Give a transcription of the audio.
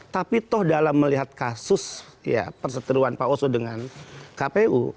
tapi toh dalam melihat kasus ya perseteruan pak oso dengan kpu